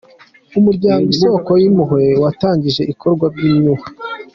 Umuryango Isoko y’impuhwe’ watangije ibikorwa by’impuhwe